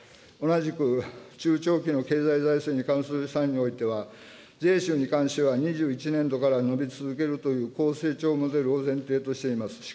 同じく、中長期の経済財政に関する試算においては、税収に関しては２１年度から伸び続けるという高成長モデル前提としています。